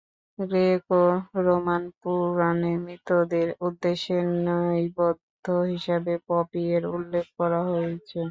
Graeco-Roman পুরাণে মৃতদের উদ্দেশ্যে নৈবেদ্য হিসাবে পপি এর উল্লেখ করা হয়েছিল।